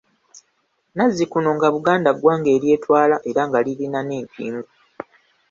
Nnazikuno nga Buganda ggwanga eryetwala era nga lirina n’empingu.